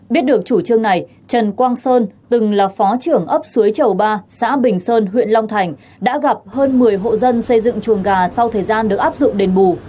biết được chủ trương này trần quang sơn từng là phó trưởng ấp suối chầu ba xã bình sơn huyện long thành đã gặp hơn một mươi hộ dân xây dựng chuồng gà sau thời gian được áp dụng đền bù